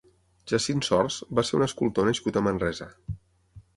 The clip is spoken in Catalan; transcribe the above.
Jacint Sorts va ser un escultor nascut a Manresa.